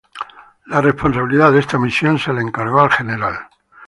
La responsabilidad de esta misión se le encargó al Gral.